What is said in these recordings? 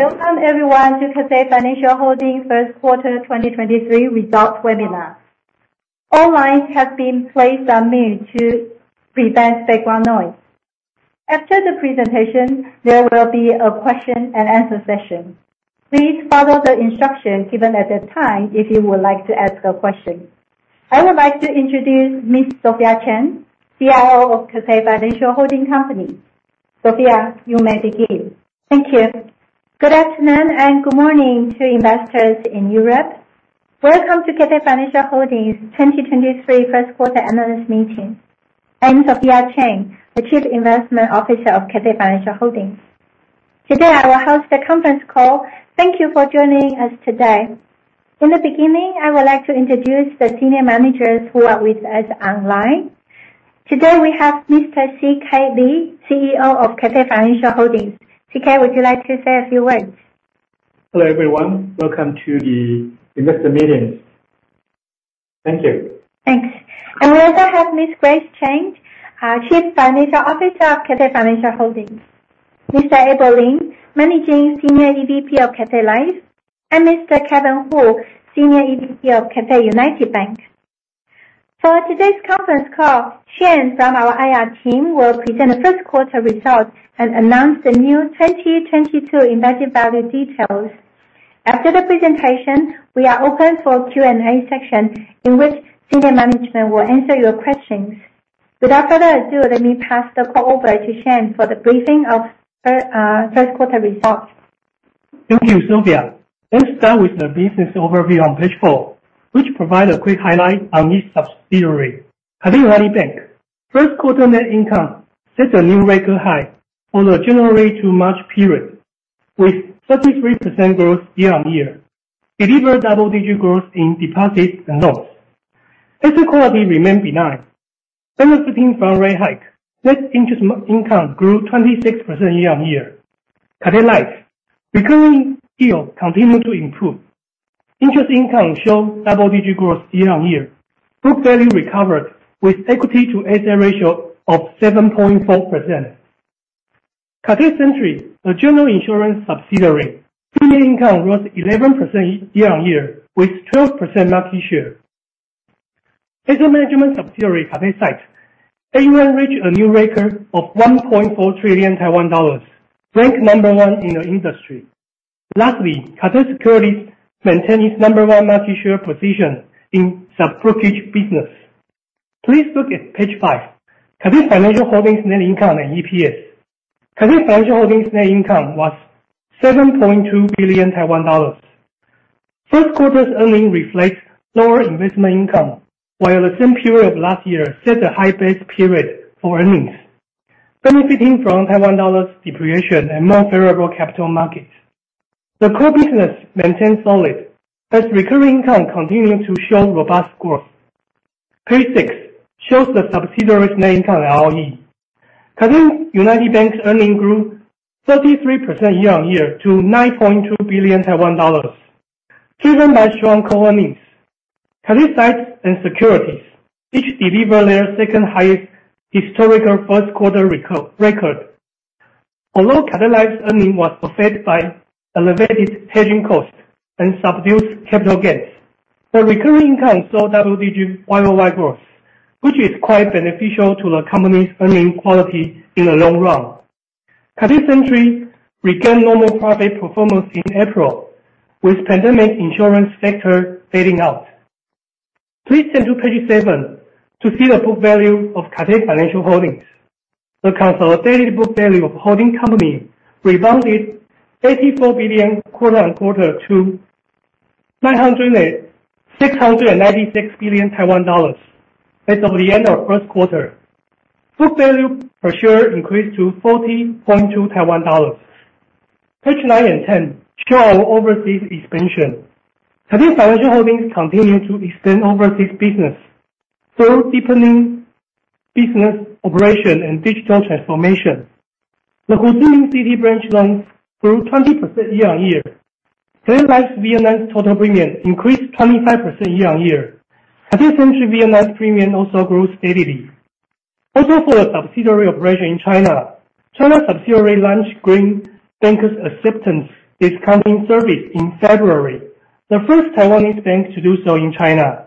Welcome everyone to Cathay Financial Holding first quarter 2023 results webinar. All lines have been placed on mute to prevent background noise. After the presentation, there will be a question and answer session. Please follow the instructions given at the time if you would like to ask a question. I would like to introduce Ms. Sophia Cheng, CIO of Cathay Financial Holding Company. Sophia, you may begin. Thank you. Good afternoon, and good morning to investors in Europe. Welcome to Cathay Financial Holding's 2023 first quarter analyst meeting. I'm Sophia Cheng, the Chief Investment Officer of Cathay Financial Holding. Today, I will host the conference call. Thank you for joining us today. In the beginning, I would like to introduce the senior managers who are with us online. Today we have Mr. CK Lee, CEO of Cathay Financial Holding. CK, would you like to say a few words? Hello, everyone. Welcome to the investor meetings. Thank you. Thanks. We also have Ms. Grace Chen, our Chief Financial Officer of Cathay Financial Holding. Mr. Abel Lin, Managing Senior EVP of Cathay Life, and Mr. Kevin Hu, Senior EVP of Cathay United Bank. For today's conference call, Sophia Cheng from our IR team will present the first quarter results and announce the new 2022 embedded value details. After the presentation, we are open for Q&A session, in which senior management will answer your questions. Without further ado, let me pass the call over to Chang for the briefing of first quarter results. Thank you, Sophia. Let's start with the business overview on Page 4, which provide a quick highlight on each subsidiary. Cathay United Bank first quarter net income set a new record high for the January to March period, with 33% growth year-on-year, deliver double-digit growth in deposits and loans. Asset quality remained benign. Benefiting from rate hike, net interest income grew 26% year-on-year. Cathay Life recurring yield continued to improve. Interest income show double-digit growth year-on-year. Book value recovered with equity to asset ratio of 7.4%. Cathay Century, a general insurance subsidiary. Premium income growth 11% year-on-year, with 12% market share. Asset management subsidiary, Cathay SITE, AUM reached a new record of 1.4 trillion Taiwan dollars, ranked number one in the industry. Lastly, Cathay Securities maintained its number one market share position in sub-brokerage business. Please look at Page 5. Cathay Financial Holding net income and EPS. Cathay Financial Holding net income was 7.2 billion Taiwan dollars. First quarter's earnings reflect lower investment income, while the same period of last year set a high base period for earnings, benefiting from Taiwan dollar depreciation and more favorable capital markets. Core business maintained solid, as recurring income continued to show robust growth. Page 6 shows the subsidiaries' net income and ROE. Cathay United Bank's earnings grew 33% year-on-year to 9.2 billion Taiwan dollars, driven by strong core earnings. Cathay SITE and Securities each deliver their second highest historical first quarter record. Although Cathay Life's earnings was affected by elevated hedging costs and subdued capital gains, the recurring income saw double-digit year-over-year growth, which is quite beneficial to the company's earnings quality in the long run. Cathay Century regained normal profit performance in April, with pandemic insurance sector fading out. Please turn to Page 7 to see the book value of Cathay Financial Holdings. The consolidated book value of holding company rebounded 84 billion quarter-on-quarter to 696 billion Taiwan dollars as of the end of first quarter. Book value per share increased to 40.2 Taiwan dollars. Pages 9 and 10 show our overseas expansion. Cathay Financial Holdings continue to extend overseas business through deepening business operation and digital transformation. The Ho Chi Minh City branch loans grew 20% year-on-year. Cathay Life Vietnam's total premium increased 25% year-on-year. Cathay Century Vietnam's premium also grew steadily. Also for the subsidiary operation in China subsidiary launched Green Bankers Acceptance discounting service in February, the first Taiwanese bank to do so in China.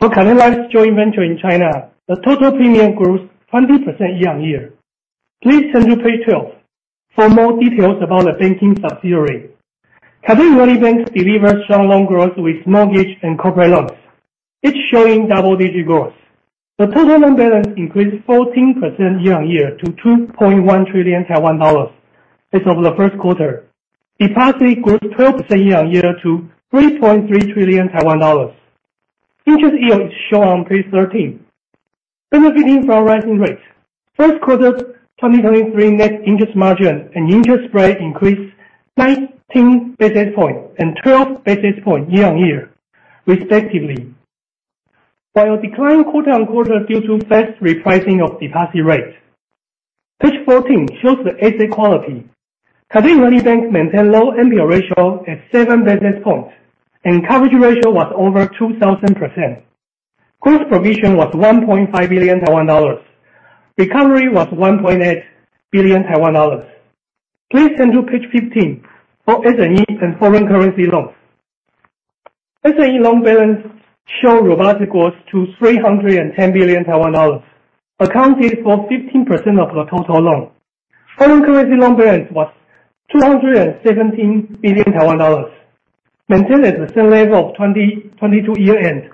For Cathay Life's joint venture in China, the total premium growth, 20% year-on-year. Please turn to Page 12 for more details about the banking subsidiary. Cathay United Bank delivered strong loan growth with mortgage and corporate loans, each showing double-digit growth. The total loan balance increased 14% year-on-year to 2.1 trillion Taiwan dollars as of the first quarter. Deposit grew 12% year-on-year to 3.3 trillion Taiwan dollars. Interest yield is shown on Page 13. Benefiting from rising rates, first quarter 2023 net interest margin and interest spread increased 19 basis points and 12 basis points year-on-year respectively, while declining quarter-on-quarter due to fast repricing of deposit rate. Page 14 shows the asset quality. Cathay United Bank maintained low NPL ratio at 7 basis points, and coverage ratio was over 2,000%. Gross provision was 1.5 billion Taiwan dollars. Recovery was 1.8 billion Taiwan dollars. Please turn to Page 15 for SME and foreign currency loans. SME loan balance shows robust growth to 310 billion Taiwan dollars, accounting for 15% of the total loan. Foreign currency loan balance was 217 billion Taiwan dollars, maintained at the same level of 2022 year-end,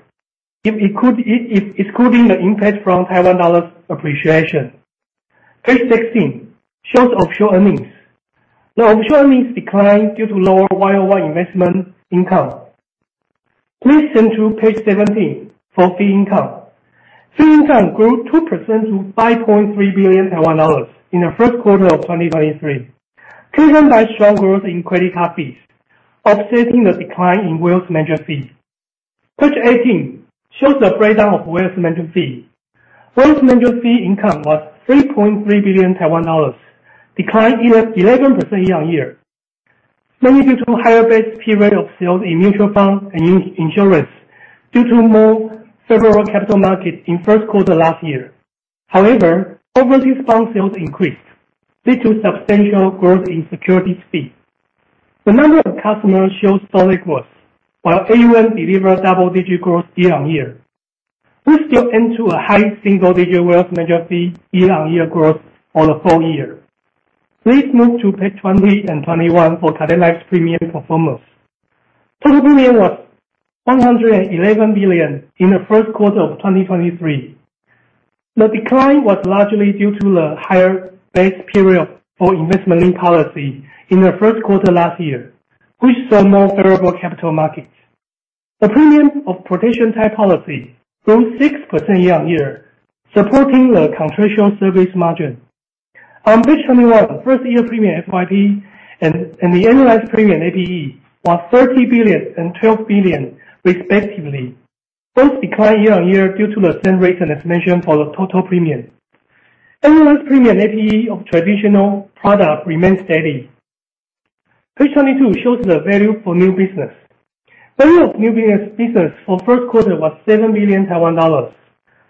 excluding the impact from Taiwan dollars appreciation. Page 16 shows offshore earnings. The offshore earnings declined due to lower 101 investment income. Please turn to Page 17 for fee income. Fee income grew 2% to 5.3 billion Taiwan dollars in the first quarter of 2023, driven by strong growth in credit card fees, offsetting the decline in wealth management fees. Page 18 shows the breakdown of wealth management fee. Wealth management fee income was 3.3 billion Taiwan dollars, declined 11% year-on-year, mainly due to higher base period of sales in mutual funds and in insurance due to more favorable capital markets in first quarter last year. However, overseas bond sales increased due to substantial growth in securities fee. The number of customers showed solid growth, while AUM delivered double-digit growth year-on-year. We still expect a high single-digit wealth management fee year-on-year growth for the full year. Please move to Page 20 and 21 for Cathay Life's premium performance. Total premium was 111 billion in the first quarter of 2023. The decline was largely due to the higher base period for investment-linked policy in the first quarter last year, which saw more favorable capital markets. The premium of protection type policy grew 6% year-on-year, supporting the contractual service margin. On Page 21, first year premium FYP and the annualized premium APE was 30 billion and 12 billion respectively. Both declined year-on-year due to the same reason as mentioned for the total premium. Annualized premium APE of traditional product remained steady. Page 22 shows the value for new business. Value of new business for first quarter was 7 billion Taiwan dollars.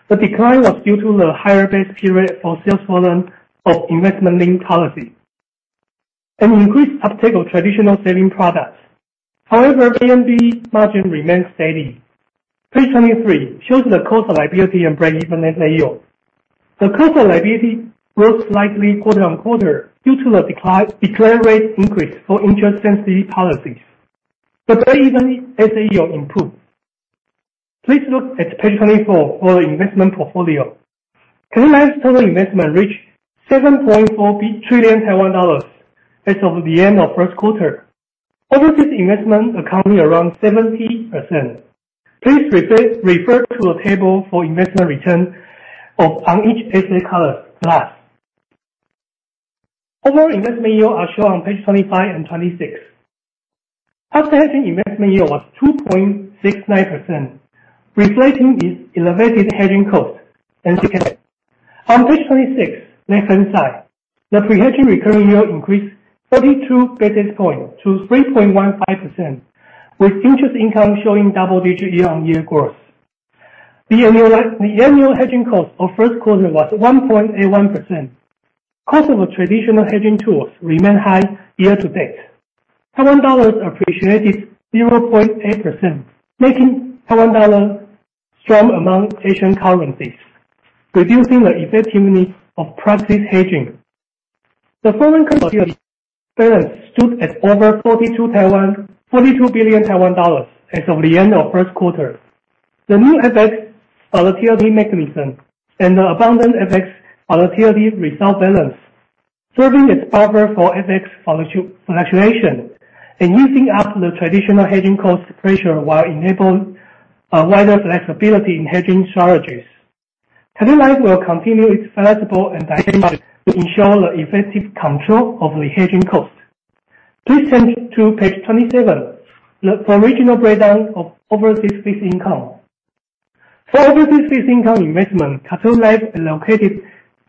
The decline was due to the higher base period of sales volume of investment-linked policy, and increased uptake of traditional saving products. However, VNB margin remained steady. Page 23 shows the cost of liability and breakeven SAR. The cost of liability grew slightly quarter-on-quarter due to the decline rate increase for interest-sensitive policies. The breakeven SAR improved. Please look at Page 24 for the investment portfolio. Cathay Life's total investment reached 7.4 trillion Taiwan dollars as of the end of first quarter. Overseas investment accounting around 70%. Please refer to the table for investment return on each asset class. Overall investment yield is shown on Page 25 and 26. After hedging investment yield was 2.69%, reflecting elevated hedging costs as indicated. On Page 26, left-hand side, the pre-hedging recurring yield increased 32 basis points to 3.15%, with interest income showing double-digit year-on-year growth. The annual hedging cost of first quarter was 1.81%. Cost of traditional hedging tools remain high year-to-date. Taiwan dollars appreciated 0.8%, making Taiwan dollar strong among Asian currencies, reducing the effectiveness of price risk hedging. The foreign currency balance stood at over 42 billion Taiwan dollars as of the end of first quarter. The new FX volatility mechanism and the abundant FX volatility reserve balance, serving as buffer for FX fluctuation and using up the traditional hedging cost pressure while enabling wider flexibility in hedging strategies. Cathay Life will continue its flexible and dynamic to ensure the effective control of the hedging cost. Please turn to Page 27, the overall breakdown of overseas fees income. For overseas fees income investment, Cathay Life allocated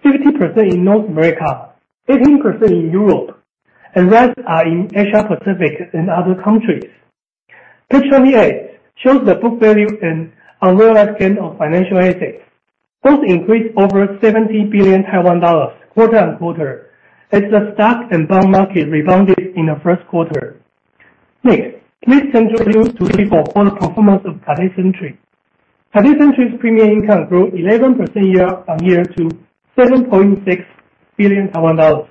50% in North America, 18% in Europe, and rest are in Asia-Pacific and other countries. Page 28 shows the book value and unrealized gain of financial assets. Both increased over 70 billion Taiwan dollars quarter-on-quarter as the stock and bond market rebounded in the first quarter. Next, please turn to Page 34 for the performance of Cathay Century. Cathay Century's premium income grew 11% year-on-year to TWD 7.6 billion. Loss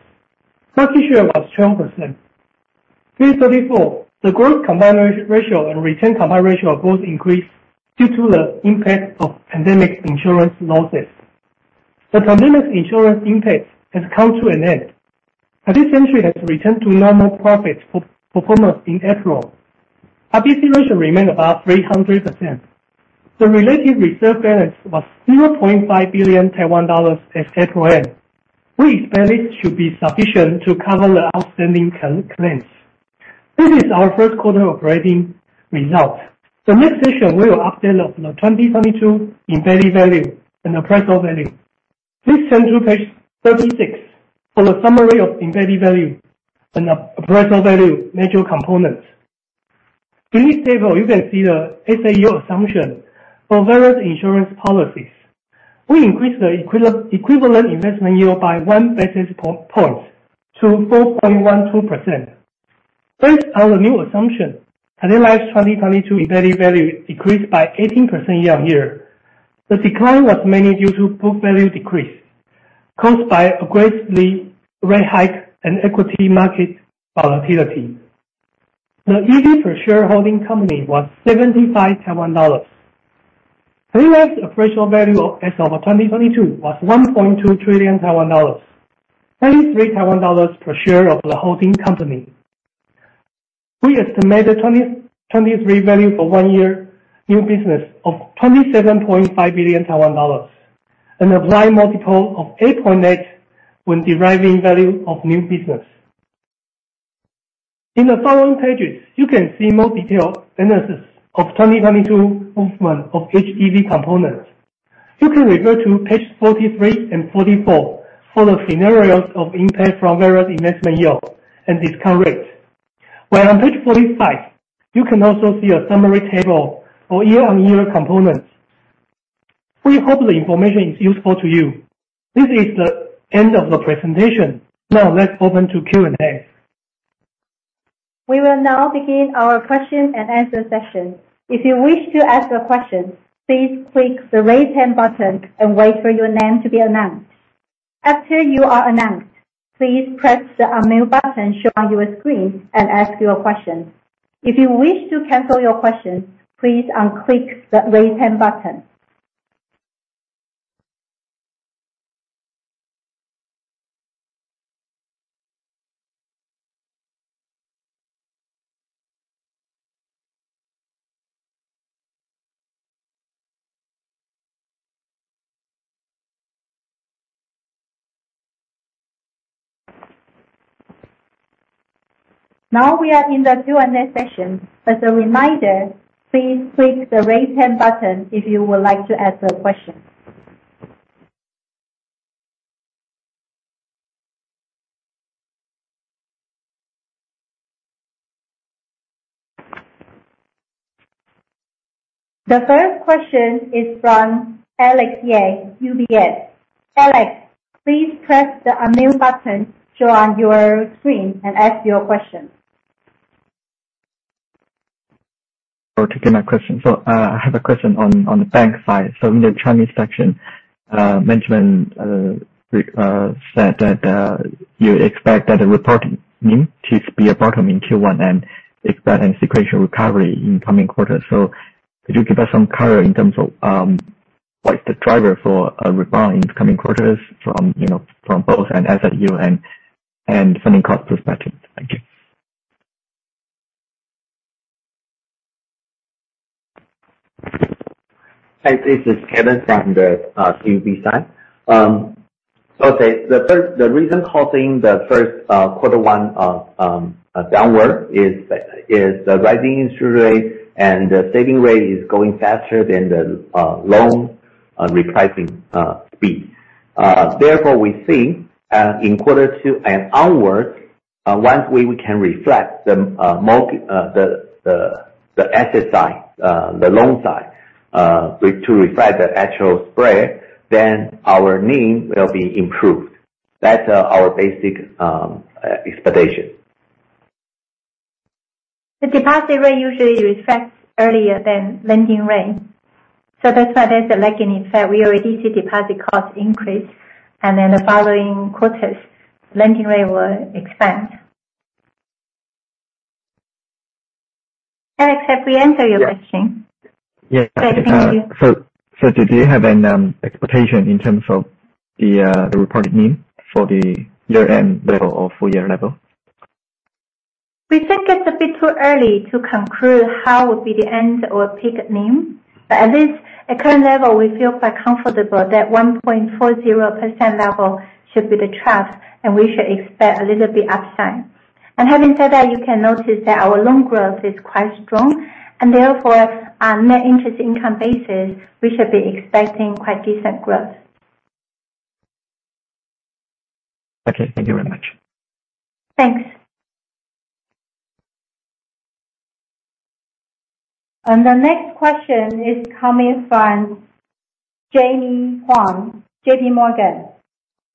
ratio was 12%. Page 34, the gross combined ratio and retained combined ratio both increased due to the impact of pandemic insurance losses. The pandemic insurance impact has come to an end. Cathay Century has returned to normal profitable performance in April. RBC ratio remained above 300%. The related reserve balance was 0.5 billion Taiwan dollars as at year-end. We expect it to be sufficient to cover the outstanding claims. This is our first quarter operating result. The next session will update of the 2022 embedded value and the appraisal value. Please turn to Page 36 for the summary of embedded value and appraisal value major components. In this table, you can see the S/A assumption for various insurance policies. We increased the equivalent investment yield by one basis points to 4.12%. Based on the new assumption, Cathay Life's 2022 embedded value decreased by 18% year-on-year. The decline was mainly due to book value decrease caused by aggressive rate hikes and equity market volatility. The EV per share holding company was 75 Taiwan dollars. Cathay Life's appraisal value as of 2022 was 1.2 trillion Taiwan dollars, 23 Taiwan dollars per share of the holding company. We estimated 2023 value for one year new business of 27.5 billion Taiwan dollars and apply multiple of 8.8 when deriving value of new business. In the following pages, you can see more detailed analysis of 2022 movement of EV components. You can refer to Page 43 and 44 for the scenarios of impact from various investment yield and discount rates, while on Page 45, you can also see a summary table for year-on-year components. We hope the information is useful to you. This is the end of the presentation. Now let's open to Q&A. We will now begin our question and answer session. If you wish to ask a question, please click the Raise Hand button and wait for your name to be announced. After you are announced, please press the Unmute button shown on your screen and ask your question. If you wish to cancel your question, please unclick the Raise Hand button. Now we are in the Q&A session. As a reminder, please click the Raise Hand button if you would like to ask a question. The first question is from Alex Ye, UBS. Alex, please press the Unmute button shown on your screen and ask your question. Thanks for taking my question. I have a question on the bank side. In the China section, management said that you expect the reporting NIM to be a bottom in Q1 and expect a sequential recovery in coming quarters. Could you give us some color in terms of what is the driver for a rebound in coming quarters from both an asset yield and funding cost perspective? Thank you. Hi, this is Kevin from the CUB side. Okay. The reason causing the first quarter one downward is the rising interest rate and the savings rate is going faster than the loan repricing speed. Therefore, we see in quarter two and onwards, once we can reflect the asset side, the loan side, we'll reflect the actual spread, then our NIM will be improved. That's our basic expectation. The deposit rate usually reflects earlier than lending rate, so that's why there's a lagging effect. We already see deposit cost increase, and then the following quarters, lending rate will expand. Alex, have we answered your question? Yeah. Thank you. Yeah. Do you have an expectation in terms of the reported NIM for the year-end level or full year level? We think it's a bit too early to conclude how will be the end or peak NIM. At least, at current level, we feel quite comfortable that 1.40% level should be the trough, and we should expect a little bit upside. Having said that, you can notice that our loan growth is quite strong. Therefore, on net interest income basis, we should be expecting quite decent growth. Okay. Thank you very much. Thanks. The next question is coming from Jimmy Huang, JP Morgan.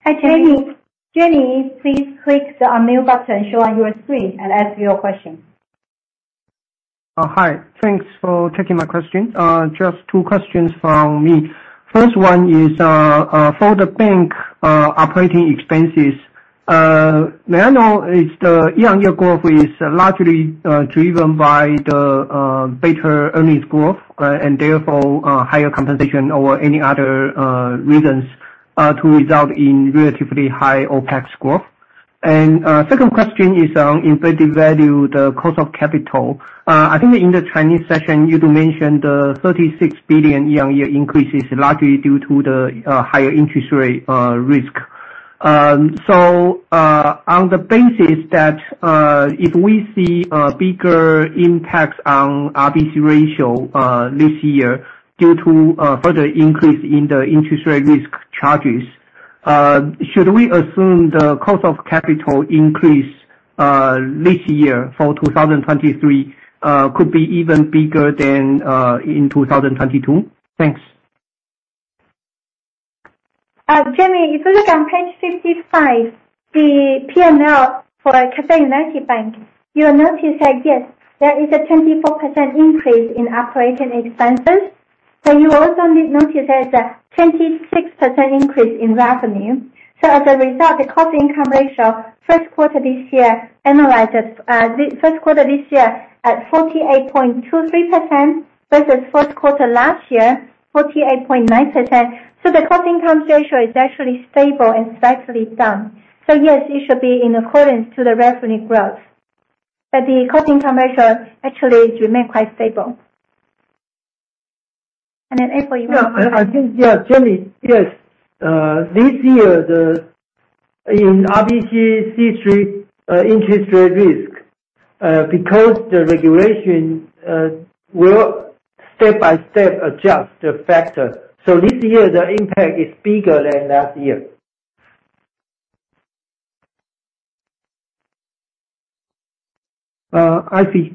Hi, Jimmy. Jimmy, please click the Unmute button shown on your screen and ask your question. Hi. Thanks for taking my question. Just two questions from me. First one is, for the bank, operating expenses, may I know is the year-on-year growth largely driven by the better earnings growth, and therefore, higher compensation or any other reasons to result in relatively high OpEx growth? Second question is on embedded value, the cost of capital. I think in the Chinese session, you do mention the TWD 36 billion year-on-year increase is largely due to the higher interest rate risk. On the basis that if we see a bigger impact on RBC ratio this year due to a further increase in the interest rate risk charges, should we assume the cost of capital increase this year for 2023 could be even bigger than in 2022? Thanks. Jimmy Huang, if you look on Page 55, the P&L for Cathay United Bank, you'll notice that, yes, there is a 24% increase in operating expenses, but you will also notice there is a 26% increase in revenue. As a result, the cost income ratio first quarter this year and lies at 48.23% versus first quarter last year, 48.9%. The cost income ratio is actually stable and slightly down. Yes, it should be in accordance to the revenue growth. The cost income ratio actually remain quite stable. Then Abel Lin, you wanna- I think, Jimmy, yes. This year, in RBC C3, interest rate risk, because the regulation will step by step adjust the factor. This year the impact is bigger than last year. I see.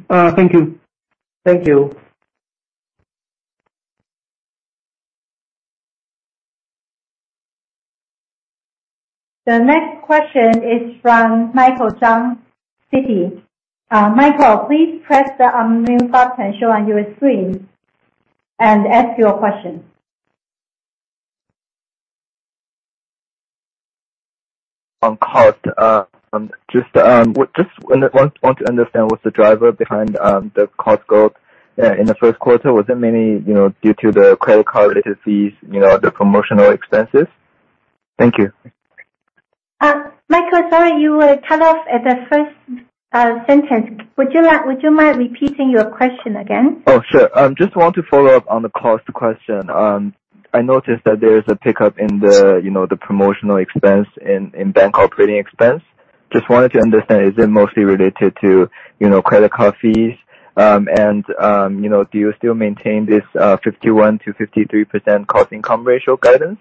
Thank you. The next question is from Michael Zhang, Citi. Michael, please press the unmute button shown on your screen and ask your question. On cost. Just want to understand what's the driver behind the cost growth in the first quarter. Was it mainly, you know, due to the credit card related fees, you know, the promotional expenses? Thank you. Michael, sorry, you were cut off at the first sentence. Would you mind repeating your question again? Oh, sure. Just want to follow up on the cost question. I noticed that there's a pickup in the, you know, the promotional expense in bank operating expense. Just wanted to understand, is it mostly related to, you know, credit card fees, and, you know, do you still maintain this 51%-53% cost-income ratio guidance?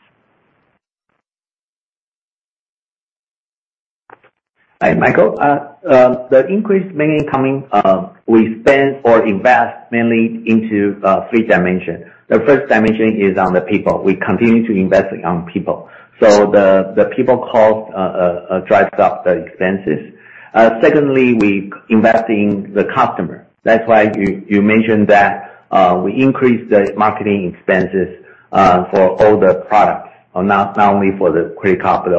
Hi, Michael. The increase mainly coming, we spend or invest mainly into three dimension. The first dimension is on the people. We continue to invest on people. The people cost drives up the expenses. Secondly, we invest in the customer. That's why you mentioned that we increased the marketing expenses for all the products. Not only for the credit card, but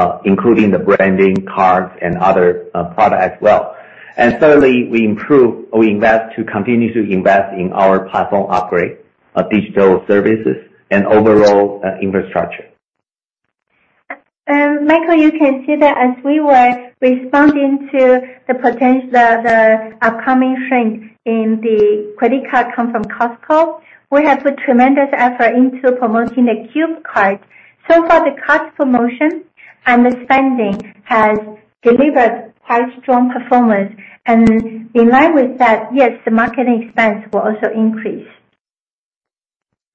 also including the branded cards and other product as well. Thirdly, we improve or invest to continue to invest in our platform upgrade of digital services and overall infrastructure. Michael, you can see that as we were responding to the upcoming trend in the credit card coming from Costco, we have put tremendous effort into promoting the CUBE Card. So far, the cost promotion and the spending has delivered quite strong performance. In line with that, yes, the marketing expense will also increase.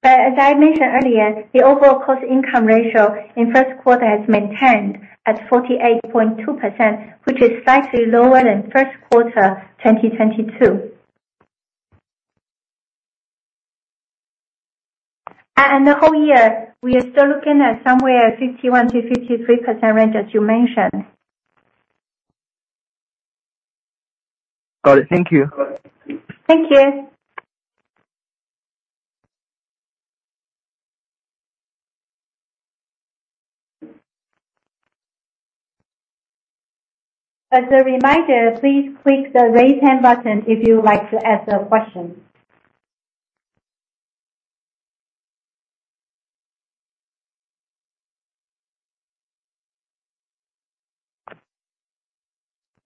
As I mentioned earlier, the overall cost income ratio in first quarter has maintained at 48.2%, which is slightly lower than first quarter 2022. The whole year we are still looking at somewhere 51%-53% range, as you mentioned. Got it. Thank you. Thank you. As a reminder, please click the Raise Hand button if you would like to ask a question.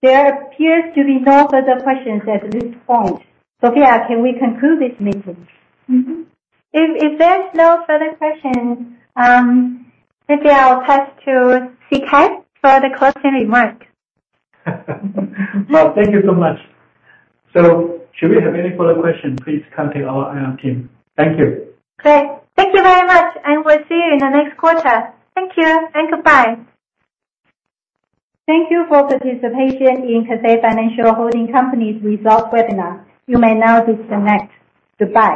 There appears to be no further questions at this point. Sophia, can we conclude this meeting? If there's no further questions, maybe I'll pass to CK for the closing remark. Well, thank you so much. Should we have any further question, please contact our IR team. Thank you. Great. Thank you very much, and we'll see you in the next quarter. Thank you and goodbye. Thank you for participation in Cathay Financial Holding Company's results webinar. You may now disconnect. Goodbye.